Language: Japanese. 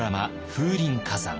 「風林火山」。